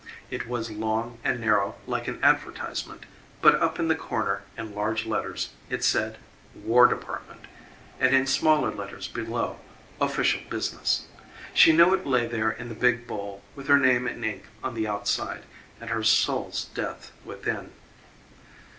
It was long and narrow like an advertisement, but up in the corner in large letters it said "War Department" and, in smaller letters below, "Official Business." She knew it lay there in the big bowl with her name in ink on the outside and her soul's death within.